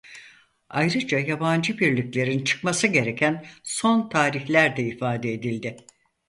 Ayrıca yabancı birliklerin çıkması gereken son tarihler de ifade edildi.